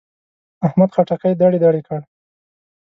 احمد خټکی دړې دړې کړ.